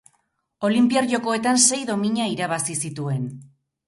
Olinpiar Jokoetan sei domina irabazi zituen.